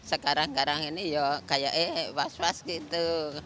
sekarang kadang ini ya kayak eh was was gitu